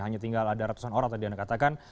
hanya tinggal ada ratusan orang tadi yang dikatakan